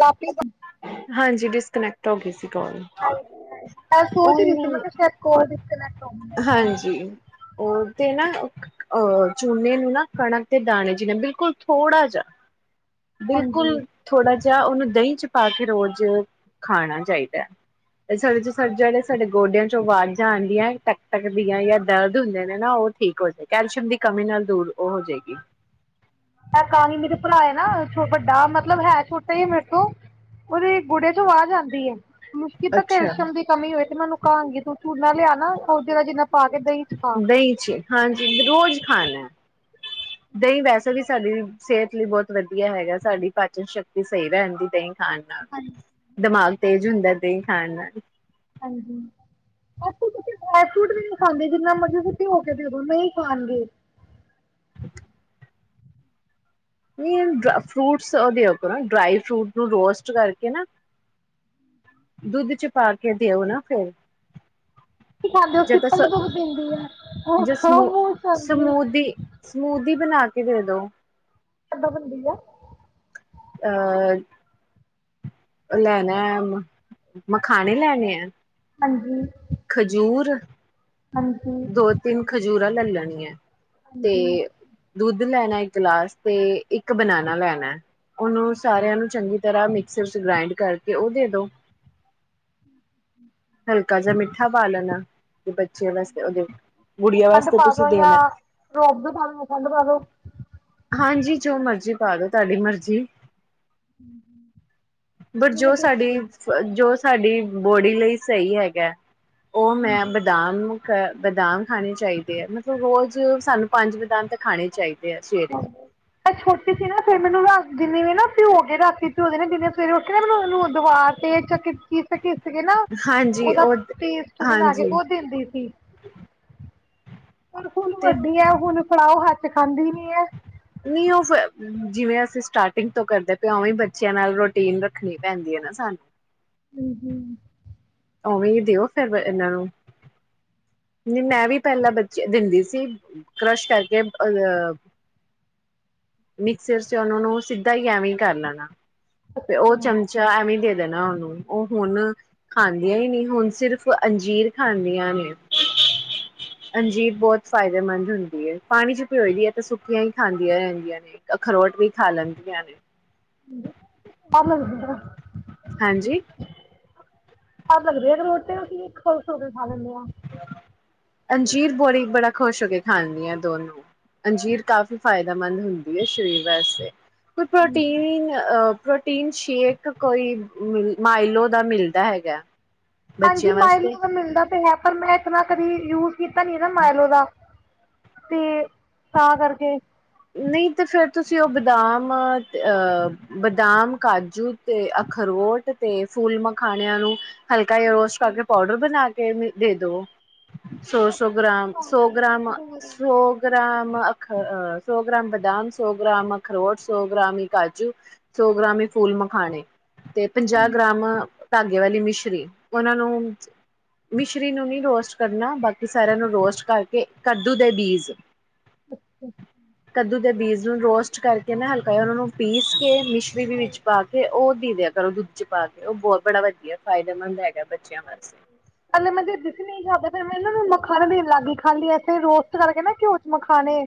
ਲਾਪੀ ਮੈਂ ਹਾਂਜੀ। Disconnect to, ਗੀ, ਸੀ ਕੋਲ ਸੋਚ ਹੀ ਰਹੀ ਸੀ, ਮੈਂ ਉਹਨ ਕਿਹਾਬ ਸ਼ਾਇਦ ਕੋਲ ਡਿਸਕਨੈ ਹਾਂਜੀ। ਉਹ ਤੇ ਨਾ ਅਹ ਚੂਨੇ ਨੂੰ, ਨਾ ਕਣਕ ਤੇ ਦਾਣੇ ਜਿਨੇ ਬਿਲਕੁਲ। ਥੋੜ੍ਹਾ ਜਿਹਾ। ਬਿਲਕੁਲ, ਥੋੜਾ ਜਾ, ਉਹਨੂੰ ਦਹੀਂ ਚ ਪਾ ਕੇ ਰੋਜ਼, ਖਾਣਾ ਚਾਹੀਦਾ ਹੈ। ਤੇ ਸਾਡੇ ਚ ਸਬਜੇਆ, ਸਾਡੇ ਗੋਡਿਆਂ ਵਾਜ਼ਾਂ ਆਨਦੀਆਂ ਟਕ- ਟਕ ਦੀਆਂ ਜਾਂ ਦਰਦ ਹੁੰਦੇ ਨੇ ਨਾ, ਉਹ ਠੀਕ ਹੋ ਜੇ ਕੈਲਸ਼ੀਅਮ ਦੀ ਕਮੀ ਨਾਲ ਦੂਰ ਉਹ ਹੋ ਜੇਗੀ‌। ਆ ਕਾਣੀ ਮੇਰਾ ਭਰਾ ਐ ਨਾ ਵੱਡਾ ਮਤਲਬ ਹੈ ਛੋਟਾ ਈ ਮੇਰੇ ਤੋਂ ਉਹਦੇ ਗੁੜਿਆਂ ਚ ਵਾਹਜ ਆਂਦੀ ਐ। ਮੁਸ਼ਕਿਲ ਤਾਂ ਅੱਛਾ ਕੈਲਸ਼ੀਅਮ ਦੀ ਕਮੀ ਹੋਏ ਤੇ ਮੈਨੂੰ ਕਹਾਂਗੀ ਤੋਂ ਝੂ ਨਾਲ ਲਿਆਣਾ ਉਹ ਜਿ ਜਿੰਨਾ ਪਾ ਕੇ ਦਹੀਂ ਚ ਪਾ ਦਹੀਂ ਚ ਹਾਂਜੀ ਰੋਜ਼ ਖਾਣਾ। ਦਹੀਂ ਵੈਸੇ ਵੀ ਸਾਡੀ ਸਿਹਤ ਲਈ ਬਹੁਤ ਵਧੀਆ ਹੈਗਾ ਸਾਡੀ ਪਾਚਨ ਸ਼ਕਤੀ ਸਹੀ ਰਹਿਣ ਦੀ ਦਹੀਂ [inaudible] ਨਾਲ ਹਾਂਜੀ ਦਿਮਾਗ ਤੇਜ਼ ਹੁੰਦਾ। ਦਈਂ ਖਾਣ ਨਾਲ ਹਾਂਜੀ ਡ ਫਰੂਟ ਵੀ ਨਹੀਂ ਖਾਂਦੇ ਜਿੰਨਾ ਮਰਜ਼ੀ ਤੁਸੀ ਭਿਓਂਕੇ ਦੇੋ ਦੋ ਨਈਂ ਖਾਣਗੇ। [unintelligible] ਨਈਂ ਇਹ ਡ ਫਰੂਟਸ ਦਿਓ ਆਪ ਨਾ ਡਰਾਈ ਫਰੂਟ ਨੂੰ ਰੋਸਟ ਕਰਕੇ ਨਾ ਦੁੱਧ ਚ ਪਾ ਕੇ ਦਿਓ ਨਾ ਫਿਰ ਕੀ ਖਾਂਦੇ ਉਹ ਸਿਪਰ ਚ ਦੁੱਧ ਪੀਂਦੀ ਐ, ਉਹ ਜ ਸਮੂ ਖਾਨ ਖਾਦੀ ਕਿ ਇਹਦੋ ਕਿਦਾਂ ਬੰਣਦੀ ਐ। ਅਹ ਉਹ ਲੈਣਾ ਆ ਮਖਾਣੇ ਲੈਣੇ ਐ। ਹਾਂਜੀ। ਹਾਂਜੀ ਦੋ ਤਿੰਨ ਖਜੂਰ ਲਲ ਲੈਣੀਐ। ਹਜੀ ਦੁੱਧ ਲੈਣਾ ਇੱਕ ਗਲਾਸ ਤੇ ਇੱਕ ਬਨਾਨਾ ਲੈਣਾ ਉਹਨੂੰ ਸਾਰਿਆਂ ਨੂੰ ਚੰਗੀ ਤਰ੍ਹਾਂ ਮਿਕਸਰ ਚ ਗ੍ਰਾਇੰਡ ਕਰਕੇ ਉਹ ਦੇ ਦੋ। ਹਲਕਾ ਜ ਮਿੱਠਾ ਠਾ ਪਾ ਲੈਣਾ। ਤੇ ਬੱਚਿਆਂ ਵਾਸਤੇ ਉਹਦੇ ਗੁੜੀਆਂ ਖੰਡ ਵਾਸਤੇ ਪਾ ਤੁਸੀਂ ਦੋ ਜਾਂ ਦੇਣਾ ਰੋਅਬਜਾ ਨਾਲ ਖੰਡ ਪਾ ਦੋ। ਹਾਂਜੀ ਜੋ ਮਰਜ਼ੀ ਪਾਦੋ ਤੁਆਡੀ ਮਰਜ਼ੀ। ਹਂ ਬਟ ਨਈਂ ਮੈਂ ਜੋ ਸਾਡੀ ਦੇਖਾਂਗੀ। ਜੋ ਸਾਡੀ ਬੋਡੀ ਲਈ ਸਹੀ ਹੈਗਾ। ਉਹ ਮੈਂ ਬਦਾਮ ਨੂੰ ਕ ਬਦਾਮ ਖਾਣੇ ਚਾਹੀਦੇ ਆ, ਮਤਲਬ ਰੋਜ਼ ਸਾਨੂੰ ਪੰਜ ਬਦਾਮ ਤਾਂ ਖਾਣੇ ਚਾਈਦੇ ਆ ਸਵੇਰੇ। ਛੋਟੀ ਸੀ ਨਾ ਫੇਰ ਮੈਨੂੰ ਰਾ ਜਿੰਨੇ ਵੀ ਨਾ ਭਿਓ ਗ ਰਾਤੀ ਭਿਓਦੇ ਨੇ ਜਿੰਨੇ ਸਵੇਰੇ ਉੱਠੇ ਨਾ ਮੈਨੂੰ ਉਹਨੂੰ ਦੀ ਦਵਾਰ ਤੇ ਚ ਘਿਸ ਘਿਸ ਕੇ ਨਾ ਹਾਂਜੀ ਉਹਦਾ ਉਹ ਪੇਸਟ ਬਣਾ ਕੇ ਹਾਂਜੀ ਉਹ ਦਿੰਦੀ ਸੀ। ਪਰ ਹੁਣ ਵੱਡੀ ਐ ਹੁਣ ਫਡਾਓ ਹੱਥ ਚ ਖਾਂਦੀ ਨੀ ਹੈ ਨੀ ਉਹ ਫਿਰ ਜਿਵੇਂ ਅਸੀਂ ਸਟਾਰਟਿੰਗ ਤੋਂ ਕਰਦੇ ਪਏ ਉਵੇਂ ਬੱਚਿਆਂ ਨਾਲ ਰੋਟੀਨ ਰੱਖਣੀ ਪੈਂਦੀ ਐ ਨਾਂ ਸਾਨੂੰ। ਹਂ ਹਂ ਉਵੇਂ ਦਿਓ ਫਿਰ ਇਹਨਾਂ ਨੂੰ ਮੈਂ ਵੀ ਪਹਿਲਾਂ ਬੱਚੀ ਦਿੰਦੀ ਸੀ ਕਰਸ਼ ਕਰਕੇ ਅਹ ਮਿਕਸਰ ਚ ਉਹਨਾਂ ਨੂੰ ਸਿੱਧਾ ਈ ਐਵੇਂ ਹੀ ਕਰ ਲੈਣਾ। ਤੇ ਉਹ ਚਮਚਾ ਐਵੇਂ ਦੇ ਨਾ ਉਹਨੂੰ ਉਹ ਹੁਣ [inaudible] ਖਾਂਦੀਆਂ ਈ ਨੀਂ, ਹੁਨ ਸਿਰਫ਼ ਅੰਜੀਰ ਖਾਂਦੀਆਂ ਨੇ, ਅੰਜੀਰ ਬਹੁਤ ਫਾਇਦੇਮੰਦ ਹੁੰਦੀ ਏ। ਪਾਣੀ ਚ ਭਿਓਏਦੀ ਏ ਤਾਂ ਸੁੱਕੀਆਂ ਹੀ ਖਾਂਦੀਆਂ ਰਹਿੰਦੀਆਂ ਨੇ, ਅਖਰੋਟ ਵੀ ਖਾ ਲੈਂਦੀਆਂ ਨੇ। ਲਗ [unintelligible] ਹਾਂਜੀ ਸੱ ਲੱਗਦੇ ਆ ਅਗਰ ਰੋਟੇ ਕਿਂ ਖੋ ਖ ਹੋ ਕੇ ਖਾ ਲੈਂਦੇ ਆ [inaudible] ਅੰਜੀਰ ਬੜੀ ਬੜਾ ਖੁਸ਼ ਹੋ ਕੇ ਖਾਂਦੀਆ ਦੋਨੋ, ਅੰਜੀਰ ਕਾਫ਼ੀ ਫਾਇਦੇਮੰਦ ਹੁੰਦੀ ਐ ਸ਼ਰੀਰ ਵਾਸਤੇ। ਕੋ ਪ੍ਰੋਟੀਨ ਅ [inaudible] ਪ੍ਰੋਟੀਨ ਸ਼ੇਕ ਕੋਈ, ਮਾਇਲੋ ਦਾ ਮਿਲਦਾ ਹੈਗਾ। ਪੰਜ ਬੱਚਿਆਂ ਮਾਈਲੋ ਵਾਸਤੇ ਦਾ ਮਿਲਦਾ ਪਇਐ। ਪਰ ਮੈਂ ਇਤਨਾ ਕਦੀ ਯੂਜ ਕੀਤਾ ਨੀ ਨਾ ਮਾਇਲੋ ਦਾ ਤੇ, ਤਾਂ ਕਰਕੇ। ਨਹੀਂ ਤੇ ਫਿਰ ਤੁਸੀਂ, ਉਹ ਬਦਾਮ ਅਹ, ਬਦਾਮ, ਕਾਜੂ ਤੇ ਅਖਰੋਟ ਤੇ ਫੁੱਲ ਮਖਾਣਿਆਂ ਨੂੰ ਹਲਕਾ ਯ ਰੋਸਟ ਕਰਕੇ ਪਾਊਡਰ ਬਣਾ ਕੇ ਕੇ ਦੇ ਦਵੋ [inaudible] ਸੋ, ਸੋ ਗ੍ਰਾਮ, ਪਾ ਸੋ ਕੇ ਗ੍ਰਾਮ, ਇੱਕ ਦੋ ਵਾਰੀ ਸੋ ਗ੍ਰਾਮ ਅ ਅ [inaudible] ਸੋ ਗ੍ਰਾਮ ਬਦਾਮ, ਸੋ ਗ੍ਰਾਮ ਅਖਰੋਟ, ਸੋ ਗ੍ਰਾਮ ਕਾਜੂ, ਸੋ ਗ੍ਰਾਮੀ ਫੂਲ ਮਖਾਣੇ। ਤੇ ਪੰਜਾਹ ਗ੍ਰਾਮ ਧਾਗੇ ਵਾਲੀ ਮਿਸ਼ਰੀ, ਉਹਨਾਂ ਨੂੰ ਮਿਸ਼ਰੀ ਨੂੰ ਨਹੀਂ ਰੋਸਟ ਕਰਨਾ, ਬਾਕੀ ਸਾਰਿਆਂ ਨੂੰ ਰੋਸਟ ਕਰਕੇ, ਕੱਦੂ ਦੇ ਬੀਜ ਅੱਛਾ ਅੱਛਾ [inaudible] ਕੱਦੂ ਦੇ ਬੀਜ ਨੂੰ ਰੋਸਟ ਕਰਕੇ ਨਾ, ਹਲਕਾ ਉਹਨਾ ਨੂੰ ਪੀਸ ਕੇ ਮਛਰੀ ਵੀ ਵਿੱਚ ਪਾ ਕੇ ਉਹ [inaudible] ਦੇਿਆ ਕਰੋ ਦੁੱਧ ਚ ਪਾ ਕੇ, ਉਹ ਬਹੁਤ ਬੜਾ ਵਧੀਆ ਫਾਇਦੇਮੰਦ ਹੈ। ਕੱਲੇ ਮਦੇੇਸੀ ਨਹੀਂ ਖਾਦਾ [inaudible] ਫਿਰ ਮੈਨਾਂ ਮਖਾਣਾ ਦੇਣ ਲੱਗੀ, ਖਾਲੀ ਅੇ ਰੋਸਟ ਕਰਕੇ ਨਾ ਘਿਓ ਚ ਮਖਾਣੇ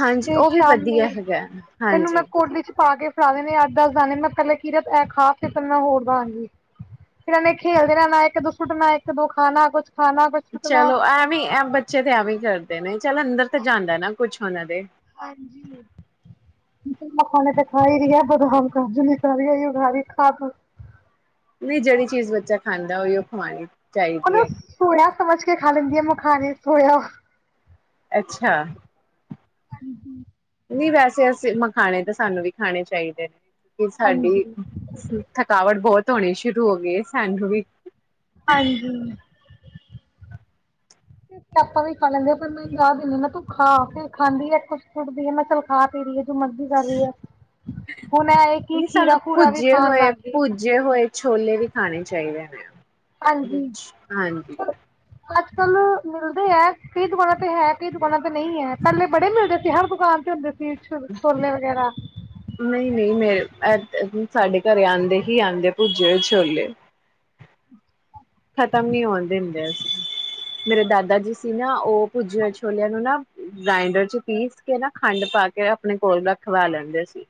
ਹਾਂਜੀ ਤੇ ਉਹ ਵੀ ਸ਼ਾਮੀ ਵਧੀਆ ਹੈਗਾ, ਹਾਂਜੀ। ਨੇ ਅੱਠ ਦੱਸ ਜਾਣੇ ਮੈਂ ਪਿਹਲਾ ਕੀਰਤ ਇਹ ਖਾ, ਫਿਰ ਮੈਂ ਹੋਰ ਦਾਂਗੀ ਫਿਰ ਇਹਨੇ ਖੇਲਦੇ ਰੇਨਾ ਇੱਕ ਦੋ ਸੁੱਟਿਆ, ਇੱਕ ਦੋ ਖਾਨਾ ਕੁਛ ਖਾਣਾ ਕੁਛ ਸੁੱਟਣਾ ਚਲੋ ਐਵੇਂ ਐ, ਬੱਚੇ ਤੇ ਐਵੇਂ ਕਰਦੇ [unintelligible] ਚਲ ਅੰਦਰ ਤੇ ਜਾਂਦਾ ਨਾ, ਕੁੱਛ ਉਹਨਾਂ ਦੇ ਹਾਂਜੀ ਮੈਂ ਖਾਣੇ ਤੇ ਖ ਹੀ ਰਹੀਹਾ ਬਦਾਮ ਕਜ ਨ ਖਾ ਉ ਖਾਦ [unintelligible] ਨਈਂ ਜਿਹੜੀ ਚੀਜ਼ ਬੱਚਾ ਖਾਂਦਾ, ਉਹਈ ਉਹ ਖਵਾਉਣੀ। ਉਹਲ ੜ [unintelligible] ਸਮਝ ਕੇ ਖਾ ਲੈਂਦੀ ਆ, ਮਖਾਨੇ ਥੋੜ੍ਹਾ [inaudible] ਅੱਛਾ। [unintelligible] ਨਹੀਂ ਵੈਸੇ ਅਸੀਂ ਮਖਾਣੇ ਤਾਂ ਸਾਨੂੰ ਵੀ ਖਾਣੇ ਚਾਹੀਦੇ ਨੇ ਸਾਡੀ ਹਾਂਜੀ ਥਕਾਵਟ ਬਹੁਤ ਧੋਣੇ ਸ਼ੁਰੂ ਹੋ ਗਏ ਸੈਂਡੂ ਵਿੱਚ ਹਾਂਜੀ ਆਪਾਂ ਵੀ ਖਾ ਲੈਂਦੇ ਆ, ਫ਼ਿਰ ਮੈਨੂੰ ਯਦ ਨਹੀ ਤੂੰ ਖਾ ਫ ਖਾਂਦੀ ਏ ਕੁਛ ਕੁੱਟਦੀ ਆ ਮੈਂ ਚੱਲ ਖਾ ਪ ਰਹੀ ਹੈ ਮਰਜੀ ਕਰ ਰਹੀ ਹੈ। ਹੁਣ ਇਹ ਕੀ ਨਹੀਂ ਖੀਰਾ ਸਾਨੂੰ ਖੂਰਾ ਵੀ ਭੁੱਜੇ ਖਾਣ ਹੋਏ ਲੱਗ ਗਈ ਆ ਭੁੱਜੇ ਹੋਏ ਛੋਲੇ ਵੀ ਖਾਣੇ ਚਾਹੀਦੇ ਨੇੈ ਹਾਂਜੀ ਪਰ ਅੱਜ ਕੱਲ ਮਿਲਦੇ ਹੈ ਕਈ ਦੁਕਾਨਾਂ ਤੇ ਹੈ ਕਈ ਦੁਕਾਨਾਂ ਤੇ ਨਹੀਂ ਹੈ ਪਹਿਲੇ ਬੜੇ ਮਿਲਦੇ ਸੀ ਹਰ ਦੁਕਾਨ ਤੇ ਹੁੰਦੇ ਸੀ। ਛੋਲੇ ਵਗੈਰਾ ਨਹੀਂ ਨਹੀਂ ਸਾਡੇ ਘਰੇ ਆਉਂਦੇ ਸੀ, ਆਉਂਦੇ ਭੱਜੇ ਛੋਲੇ। ਖਤਮ ਨੀ ਹੋਣ ਦਿੰਦੇ ਅ, ਮੇਰੇ ਦਾਦਾ ਜੀ ਸੀ ਨਾ ਉਹ ਪੁੱਜ ਛੋਲਿਆਂ ਨੂੰ ਨਾ ਗ੍ਰਾਇਡਰ ਚ ਪੀਸ ਕੇ ਨਾ ਖੰਡ ਪਾ ਕੇ ਆਪਣੇ ਕੋਲ ਰਖਵਾ ਲੈਂਦੇ ਸੀ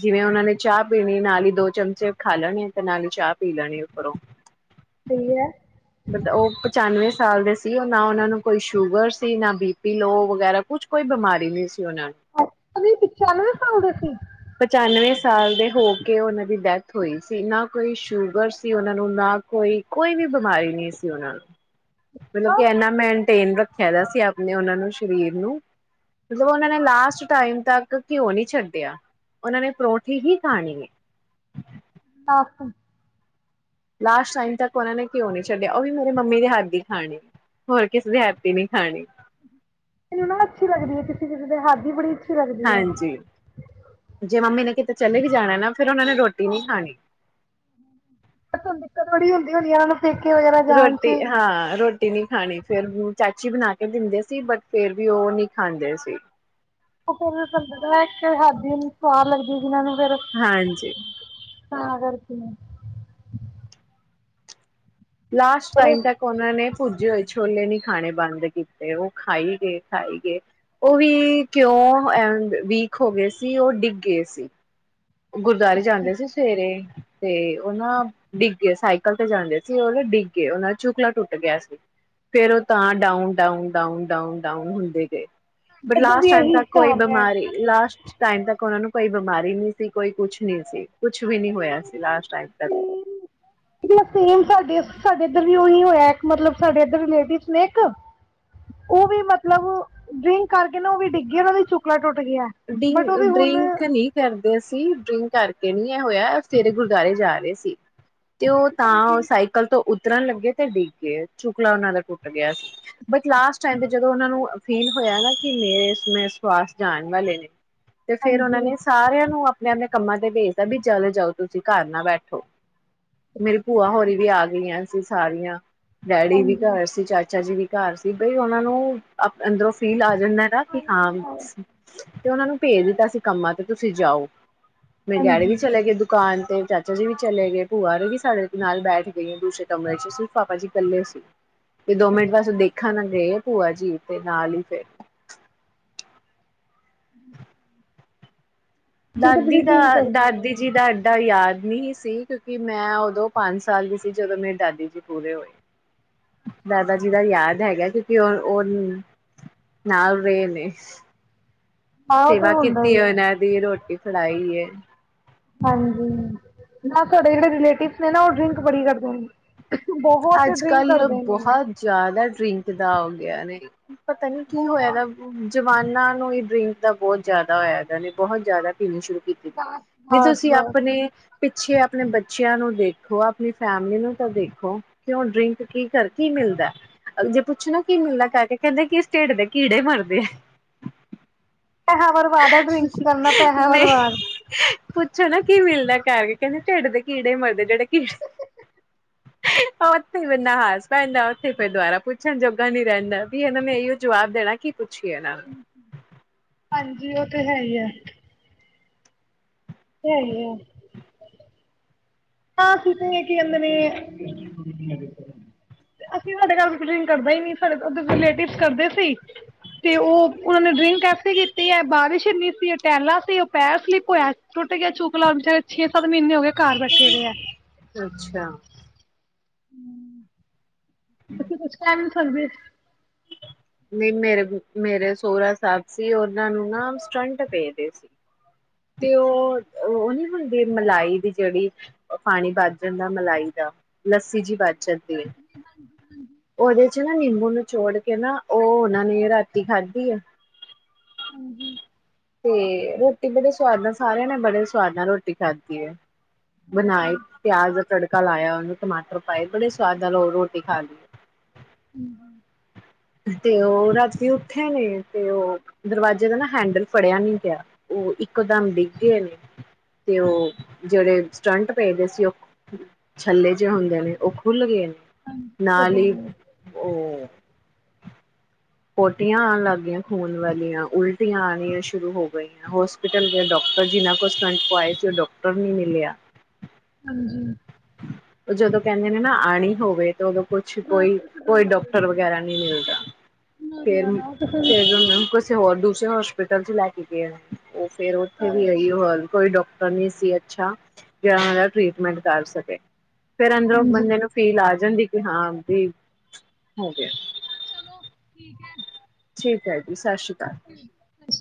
ਜਿਵੇਂ ਉਹਨਾਂ ਨੇ ਚਾਹ ਪੀਣੀ ਨਾਲ ਹੀ ਦੋ ਚਮਚੇ ਖਾ ਲੈਣੇ ਤੇ ਨਾਲ ਹੀ ਚਾਹ ਪੀ ਲੈਣੀ ਉੱਪਰੋਂ ਸਹੀ ਹੈ ਮਤਲਬ ਉਹ ਪਚਾਨਵੇਂ ਸਾਲ ਦੇ ਸੀ ਉਹ ਨਾ ਉਹਨਾਂ ਨੂੰ ਕੋਈ ਸ਼ੂਗਰ ਸੀ ਨਾ ਬੀਪੀ ਲੋ ਵਗੈਰਾ ਕੁਛ ਕੋਈ ਬਿਮਾਰੀ ਨਹੀਂ ਸੀ ਉਹਨਾਂ ਨੂੰ। ਅਛਾ ਜੀ ਪਿਚਾਨਵੈ ਸਾਲ ਦੇ ਸੀ ਪਚਾਨਵੇਂ ਸਾਲ ਦੇ ਹੋ ਕੇ ਉਹਨਾਂ ਦੀ ਡੈਥ ਹੋਈ ਸੀ ਨਾ ਕੋਈ ਸ਼ੂਗਰ ਸੀ ਉਹਨਾਂ ਨੂੰ ਨਾ ਕੋਈ ਕੋਈ ਵੀ ਬਿਮਾਰੀ ਨਹੀਂ ਸੀ ਉਹਨਾਂ ਨੂੰ ਮਤਲਬ ਕਿ ਆਹ ਇਨਾ ਮੇਨਟੇਨ ਰੱਖ ਕਹਿਦਾ ਸੀ ਆਪਣੇ ਉਹਨਾਂ ਨੂੰ ਸਰੀਰ ਨੂੰ ਮਤਲਬ ਉਹਨਾਂ ਨੇ ਲਾਸਟ ਟਾਈਮ ਤੱਕ ਘਿਓ ਨਹੀਂੀ ਛੱਡਿਆ ਉਹਨਾਂ ਨੇ ਪਰੋਠੀ ਹੀ ਖਾਣੀ ਹੈ ਹਕ ਲਾਸਟ ਟਾਈਮ ਤੱਕ ਉਹਨਾ ਨੇ ਘਿਓ ਨੀ ਛੱਡਿਆ, ਉਹ ਵੀ ਮੇਰੇ ਮੰਮੀ ਦੇ ਹੱਥ ਦੀ ਖਾਣੀ ਹੋਰ ਕਿਸੇ ਦੇ ਹੱਥ ਦੀ ਨਹੀ ਖਾਣੀ। ਮੈਨੂੰ ਨਾ ਅੱਛੀ ਲੱਗਦੀ ਹੈ ਕਿਸੇ ਕਿਸੇ ਦੇ ਹੱਥ ਦੀ ਬੜੀ ਲੱਗਦੀ ਹੈ ਹਾਂਜੀ ਜੇ ਮੰਮੀ ਨੇ ਕਿਤੇ ਚਲੇ ਵੀ ਜਾਣਾ ਨਾ ਫਿਰ ਉਹਨਾਂ ਨੇ ਰੋਟੀ ਨਹੀ ਖਾਣੀ। ਫੇਰ ਤੁਹਾਨੂੰ ਦਿੱਕਤ ਬੜੀ ਹੁੰਦੀ ਹੋਣੀ ਆ ਨਾ। ਰੋਟੀ ਹਾਂ ਰੋਟੀ ਨੀ ਖਾਣੀ ਫੇਰ ਚਾਚੀ ਬਣਾ ਕੇ ਦਿੰਦੇ ਸੀ'ਬਟ'ਫੇਰ ਵੀ ਉਹ ਨਹੀਂ ਖਾਂਦੇ ਸੀ। ਉਹ ਫਿਰ [inaudible] ਹਾਥ ਦੀ ਨੂੰ ਸਵਾਦ ਲੱਗਦੀ। ਹਾਂਜੀ। ਹਾਂ ਕਰਤੀ ਨੇ। ਲਾਸਟ ਟਾਈਮ ਤੱਕ ਉਹਨਾ ਨੇ ਪੁੱਜੇ ਹੋਏ ਛੋਲੇ ਨੀ ਖਾਣੇ ਬੰਦ ਕੀਤੇ, ਉਹ ਖਾਈ ਗਏ ਖਾਈ ਗਏ, ਉਹ ਵੀ ਕਿਉਂ ਅ ਵੀਕ ਹੋ ਗਏ ਸੀ ਉਹ ਡਿੱਗ ਗਏ ਸੀ। ਗੁਰਦੁਆਰੇ ਜਾਂਦੇ ਸੀ ਸਵੇਰੇ ਤੇ ਉਹਨਾਂ ਡਿੱ ਸਾਈਕਲ ਤੇ ਜਾਂਦੇ ਸੀ ਉਹ ਨਾ ਡਿੱਗ ਗਏ ਉਹ ਦਾ ਚੁਕਲਾ ਟੁੱਟ ਗਿਆ ਸੀ, ਫੇਰ ਉਹ ਤਾਂ down- down, down- down, down ਹੁੰਦੇ ਗਏ। ਬਟ ਇੱਧਰ ਲਾਸਟ ਵੀ ਟਾਈਮ ਇਹੀ ਤੱਕ ਕੋਈ ਹਿਸਾਬ ਹੈ ਬਿਮਾਰੀ ਲਾਸਟ ਟਾਈਮ ਤੱਕ ਉਹਨਾ ਨੂੰ ਕੋਈ ਬਿਮਾਰੀ ਨਹੀ ਸੀ ਕੋਈ ਕੁਛ ਨਹੀਂ ਸੀ। ਕੁਛ ਵੀ ਨੀ ਹੋਇਆ ਸੀ ਲਾਸਟ ਟਾਈਮ ਤੱਕ। ਸੇਮ ਸਾਡੇ ਸਾਡੇ ਇੱਧਰ ਵੀ ਉਹੀ ਹੋਇਆ ਇੱਕ ਮਤਲਬ ਸਾਡੇ ਇੱਧਰ ਲੇਡੀਜ਼ ਨੇ ਇੱਕ, ਉਹ ਵੀ ਮਤਲਬ ਡਰਿੰਕ ਕਰਕੇ ਨਾ ਉਹ ਵੀ ਡਿੱਗੀ ਉਹ ਦੀ ਚੁਕਲਾ ਟੁੱਟ ਗਿਆ ਡ ਬਟ ਉਹ ਵੀ ਹੁਣ ਡਰਿੰਕ ਨਹੀਂ ਕਰਦੇ ਸੀਂ ਡਰਿੰਕ ਕਰ ਨਹੀ ਇਹ ਹੋਇਆ ਸਾਰੇ ਗੁਰਦੁਆਰੇ ਜਾ ਰਹੇ ਸੀ। ਤੇ ਉਹ ਤਾਂ ਹਾਂਜੀ ਸਾਈਕਲ ਤੋਂ ਉਤਰਨ ਲੱ ਤੇ ਡਿੱਗ ਗਏ, ਚੁਕਲਾ ਉਹਨਾ ਦਾ ਟੁੱਟ ਗਿਆ ਸੀ, ਬਟ ਲਾਸਟ ਟਾਈਮ ਤੇ ਜਦੋਂ ਉਹਨਾਂ ਨੂੰ ਫੀਲ ਹੋਇਆ ਨਾ ਕਿ ਮੇੇ ਸਵਾਸ ਜਾਣ ਵਾਲੇ ਨੇ ਤੇ ਫੇਰ ਉਹਨਾਂ ਨੇ ਸਾਰਿਆਂ ਨੂੰ ਆਪਣੇ ਆਪਣੇ ਕੰਮਾਂ ਤੇ ਭੇਜਦਾ ਵੀ ਚੱਲ ਜਾਓ ਤੁਸੀਂ ਘਰ ਨਾ ਬੈਠੋ। ਮੇਰੀ ਭੂਆ ਹੋਰੀ ਵੀ ਆ ਗਈਆ। ਸੀਂ ਸਾਰੀਆਂ ਡੈਡੀ ਵੀ ਹਾਂਜੀ ਘਰ ਸੀ, ਚਾਚਾ ਜੀ ਵੀ ਘਰ ਸੀ ਬਈ ਉਹਨਾਂ ਨੂੰ ਅੰਦਰੋਂ ਫੀਲ ਆ [unintelligible] ਦਾ ਕੀ ਹਾਂ ਹਾਂਜੀ ਤੇ ਉਹਨਾਂ ਨੂੰ ਭੇਜ ਦਿੱਤਾ ਸੀ ਕੰਮਾਂ ਤੇ ਤੁਸੀਂ ਜਾਓ। ਮੇਰੇ ਡੈਡੀ ਵੀ ਹਾਂਜੀ ਚਲੇ ਗਏ ਦੁਕਾਨ। ਤੇ ਚਾਚਾ ਜੀ ਵੀ ਚਲੇ ਗਏ ਭੂਆ ਹੋਰੀ ਵੀ ਸਾਡੇ ਨਾਲ ਬੈਠ ਗਈਆਂ ਦੂਸਰੇ ਕਮਰੇ ਚ ਸਿਰਫ ਪਾਪਾ ਜੀ ਇਕੱਲੇ ਸੀ। ਤੇ ਦੋ ਮਿੰਟ ਬਸ ਉਹ ਅੱਛਾ ਦੇਖਨ ਗਏ ਭੂਆ ਜੀ ਤੇ ਨਾਲ ਹੀ ਫੇਰ ਹਮ [unintelligible] ਦਾਦੀ ਦਾ ਕਰਦੇ ਆ ਦਾਦੀ ਜੀ ਦਾ ਐਡਾ ਯਾਦ [unintelligible] ਮੈਂ ਉਦੋਂ ਪੰਜ ਸਾਲ ਦੀ ਸੀ ਜਦੋਂ ਮੇਰੇ ਦਾਦੀ ਜੀ ਪੂਰੇ ਹੋਏ। ਦਾਦਾ ਜੀ ਦਾ ਯਾਦ ਹੈਗਾ ਕਿਉਂਕਿ ਉ ਉਹ ਨਾਲ ਰਹੇ ਨੇ। ਆਹ ਉਹ ਤੇ ਸੇਵਾ ਹੁੰਦਾ ਕੀਤੀ ਹੀ ਹੈ ਆ ਉਹਨਾਂ ਦੀ ਰੋਟੀ ਫੜਾਈ ਏ। ਹਾਂਜੀ ਨਾ ਤੁਹਾਡੇ ਜਿਹੜੇ ਰਿਲੇਟਿਵ ਨੇ ਨਾ ਉਹ ਡਿੰਕ ਬੜੀ ਕਰਦੇ ਬਹੁਤ ਅੱਜ ਡਰਿੰਕ ਕੱਲ ਕਰਦੇ ਨੇ ਬਹੁਤ ਜ਼ਿਆਦਾ ਟਿੰਕ ਦਾ ਹੋ ਗਿਆ ਨੇ। ਪਤਾ ਨੀ ਕੀ ਹੋਇਆ ਬਹੁਤ ਇਹਦਾ ਜਵਾਨਾ ਇਹ ਡਰਿੰਕ ਤਾਂ ਬਹੁਤ ਜ਼ਿਆਦ ਹੋਇਆ ਦਾ ਨੇ ਬਹੁਤ ਜ਼ਿਆਦਾ ਪੀਣੀ ਸ਼ੁਰੂ ਬਸ ਜੀ ਬਸ ਤੁਸੀਂ ਬਸ ਆਪਣੇ ਪਿੱਛੇ ਆਪਣੇ ਬੱਚਿਆਂ ਨੂੰ ਦੇਖੋ ਆਪਣੀ ਫੈਮਿਲੀ ਨੂੰ ਤਾਂ ਦੇਖੋ। ਕਿਉਂ ਡਰਿੰਕ ਕੀ ਕਰ ਕੀ ਮਿਲਦਾ? ਜੇ ਪੁੱਛਣਾ ਕੀ ਮਿਲਦਾ ਕਰਕੇ ਕਹਿੰਦੇ ਕਿ ਢਿੱਡ ਦੇ ਕੀੜੇ ਮਰਦੇ ਆ। ਪੈਸਾ ਬਰਬਾਦ ਹੈ ਡਰਿੰਕ ਕਰਨਾ ਪੈਸਾ ਨਹੀਂ, ਬਰਬਾਦ ਪੁੱਛੋ ਨਾ ਕੀ ਮਿਲਦਾ ਐ ਕਰ ਕਹਿੰਦੇ ਢਿੱਡ ਦੇ ਕੀੜੇ ਮਰਦੇ। ਜਿਹੜੇ ਕੀੜੇ ਉੱਥੇ ਬੰਦਾ ਹੱਸ ਪੈਂਦਾ। ਉੱਥੇ ਫਿਰ ਦੁਬਾਰਾ ਪੁੱਛਣ ਜੋਗਾ ਨਹੀਂ ਰਹਿੰਦਾ ਵੀ ਇਹਨਾਂ ਨੇ ਇਹੀ ਓ ਜਵਾਬ ਦੇਣਾ ਕਿ ਪੁੱਛੀਆਂ ਨਾਲ ਹਾਂਜੀ ਉਹ ਤੇ ਹੈ ਈ ਐ। ਹੈ ਈ ਐ। ਹਾਂ ਅਸੀਂ ਤੇ ਕਹਿੰਦੇ ਨੇ, ਅਸੀਂ ਸਾਡੇ ਘਰ ਕੋਈ ਡਰਿੰਕ ਕਰਦਾ ਹੀ ਨਹੀਂ। ਸਾਡੇ ਉਧਰ ਰਿਲੇਟਿਵ ਕਰਦੇ ਸੀ। ਤੇ ਉਹ ਉਹਨਾਂ ਨੇ ਡਰਿੰਕ ਕੈਸੇ ਕੀਤੀ ਐ। ਬਾਰਿਸ਼ ਇੰਨੀ ਸੀ ਉਹ ਟਾਇਲਾਂ ਸੀ। ਉਹ ਪੈਰ ਸਲਿੱਪ ਹੋਇਆ, ਟੁੱਟ ਗਿਆ ਚੂਕ ਲਾਉਣ ਛੇ ਸੱਤ ਮਹੀਨੇ ਹੋ ਗਏ ਘਰ ਬੈਠੇ ਦੇ ਹੈ ਅੱਛਾ। ਹੂੰ। ਉੱਥੇ ਕੁਛ ਕੰਮ ਹਾਂਜੀ। ਨਹੀਂ ਮੇਰੇ ਮੇਰੇ ਸੋਹਰਾ ਸਾਹਿਬ ਸੀ। ਉਹਨਾਂ ਨੂੰ ਨਾ ਸਟੰਟ ਪਏ ਦੇ ਸੀ ਤੇ ਉਹ ਉਹ ਨਹੀਂ ਹੁੰਦੀ ਮਲਾਈ ਦੀ ਜਿਹੜੀ ਪਾਣੀ ਵੱਜ ਜਾਂਦਾ। ਮਲਾਈ ਦਾ ਲੱਸੀ ਜਿਹੀ ਵੱਜ ਜਾਂਦੀ ਐ। [inaudible] ਉਹਦੇ ਚ ਤੇ ਰੋਟੀ ਬੜੇ ਸਵਾਦ ਨਾਲ ਸਾਰਿਆਂ ਨੇ ਬੜੇ ਸਵਾਦ ਨਾਲ ਰੋਟੀ ਖਾਧੀ ਹੈ। ਬਣਾਏ ਪਿਆਜ ਦਾ ਤੜਕਾ ਕਾ ਲਾਇਆ ਉਹਨੂੰ ਟਮਾਟਰ ਪਾਏ ਬੜੇ ਸਵਾਦ ਨਾਲ ਉਹ ਰੋਟੀ ਖਾ ਲਈ। ਹੂੰ। ਤੇ ਉਹ ਰਾਤੀ ਉੱਥੇ ਨੇ ਤੇ ਉਹ ਦਰਵਾਜ਼ੇ ਦਾ ਨਾ ਹੈਂਡਲ ਫੜਿਆ ਨਹੀਂ ਪਿਆ। ਉਹ ਇੱਕੋ ਦਮ ਡਿੱਗ ਗਏ ਨੇ ਤੇ ਉਹ ਜਿਹੜੇ ਸਟੰਟ ਪਏ ਦੇ ਸੀ। ਉਹ ਛੱਲੇ ਜਿਹੇ ਹੁੰਦੇ ਨੇ ਉਹ ਖੁੱਲ ਗਏ ਨੇ। ਨਾਲ ਹੀ ਹਾਂਜੀ ਉਹ ਪੋਟੀਆਂ ਆਉਣ ਲੱਗ ਗਈਆਂ ਖੂਨ ਵਾਲੀਆਂ, ਉਲਟੀਆਂ ਆਉਣੀਆਂ ਸ਼ੁਰੂ ਹੋ ਗਈਆਂ। ਹੋਸਪਿਟਲ ਦੇ ਡਾਕਟਰ ਜਿਨਾਂ ਕੋ ਸਟੰਟ ਪਵਾਏ ਸੀ। ਉਹ ਡਾਕਟਰ ਨਹੀਂ ਮਿਲਿਆ। [unintelligible] ਉਹ ਜਦੋਂ ਕਹਿੰਦੇ ਨੇ ਨਾ ਆਣੀ ਹੋਵੇ। ਉਦੋਂ ਕੁਛ ਕੋਈ ਕੋਈ ਡਾਕਟਰ ਵਗੈਰਾ ਨਹੀਂ ਮਿਲਦਾ ਫਿਰ ਫਿਰ ਕਿਸੇ ਹੋਰ ਦੂਸਰੇ ਹੋਸਪ ਹੋਸਪਿਟਲ ਚ ਲੈ ਕੇ ਗਏ। ਉਹ ਫੇਰ ਉੱਥੇ ਵੀ ਇਹੀ ਓ ਹਾਲ, ਕੋਈ ਡਾਕ [unintelligible] ਸੀ ਅੱਛਾ ਜਿਹੜਾ ਉਹ ਦਾ ਟ੍ਰੀਟਮੈਂਟ ਕਰ ਸ [unintelligible] ਫਿਰ ਅੰਦਰੋਂ ਬੰਦੇ ਨੂੰ ਫੀਲ ਆ ਜਾਂਦੀ। ਹਾਂ ਵੀ ਹੋ ਗਿਆ। ਚਲੋ ਠੀਕ ਐ। ਠੀਕ ਐ ਜੀ ਸਤਿ ਸ਼੍ਰੀ ਅਕਾਲ ਅੱਛ